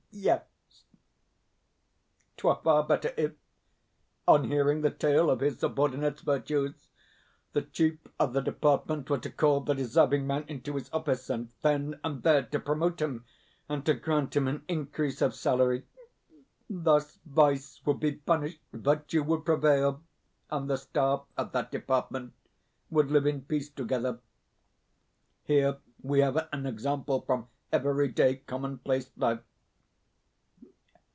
Yes, 'twere far better if, on hearing the tale of his subordinate's virtues, the chief of the department were to call the deserving man into his office, and then and there to promote him, and to grant him an increase of salary. Thus vice would be punished, virtue would prevail, and the staff of that department would live in peace together. Here we have an example from everyday, commonplace life.